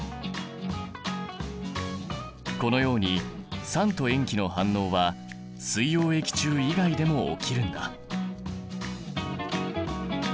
このように酸と塩基の反応は水溶液中以外でも起きるんだ。